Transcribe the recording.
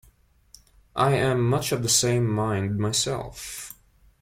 I am much of the same mind myself.